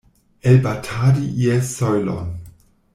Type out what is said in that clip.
Elbatadi ies sojlon.